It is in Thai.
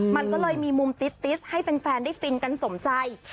มันก็เลยมีมุมติสให้แฟนได้ฟินกันสมใจ